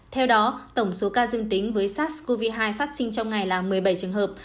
theo đó tổng số ca dương tính với sars cov hai phát sinh trong ngày là một mươi bảy trường hợp